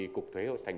cục thuế tp hcm